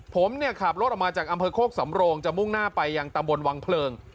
ผมเนี่ยขับรถออกมาจากอำเภอโคกสำโรงจะมุ่งหน้าไปยังตำบลวังเพลิง